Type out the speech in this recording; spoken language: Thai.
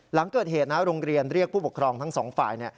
หลังเกิดเหตุโรงเรียนเรียกผู้ปกครองทั้งสองฝ่าย